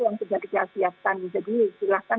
yang sudah diasiakan jadi silahkan